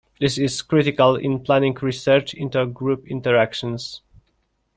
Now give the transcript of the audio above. This is critical in planning research into group interactions.